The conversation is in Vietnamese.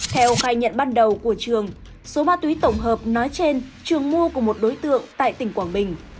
theo khai nhận ban đầu của trường số ma túy tổng hợp nói trên trường mua của một đối tượng tại tỉnh quảng bình